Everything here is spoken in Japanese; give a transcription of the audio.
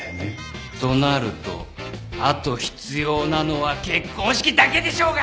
となるとあと必要なのは結婚式だけでしょうが！